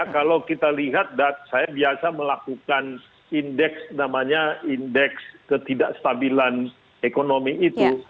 kalau kita lihat saya biasa melakukan indeks namanya indeks ketidakstabilan ekonomi itu